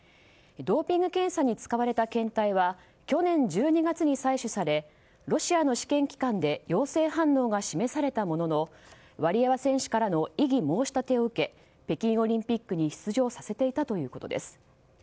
ドーピング検査に使われた検体は去年１２月に採取されロシアの試験機関で陽性反応が示されたもののワリエワ選手からの異議申し立てを受け北京オリンピックに出場させていたということです。